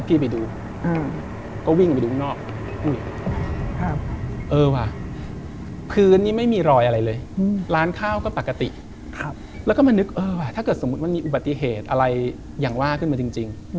พื้นที่ไม่มีรอยอะไรเลยร้านข้าวก็ปกติถ้ามีอุบัติเหตุอะไรขึ้นมาจริง